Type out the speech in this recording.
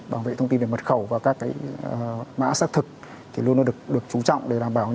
bảo vệ thông tin về mật khẩu và các cái mã xác thực thì luôn được chú trọng để đảm bảo